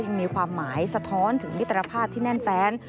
ยังมีความหมายสะท้อนถึงมิตรภาพที่แน่นแฟน